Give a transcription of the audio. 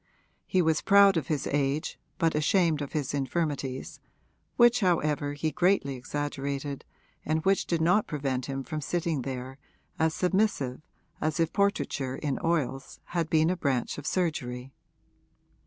He was proud of his age but ashamed of his infirmities, which however he greatly exaggerated and which did not prevent him from sitting there as submissive as if portraiture in oils had been a branch of surgery.